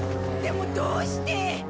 でもどうして？